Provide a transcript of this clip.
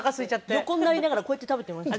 横になりながらこうやって食べてました。